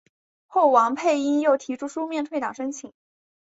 后王佩英又提出书面退党申请。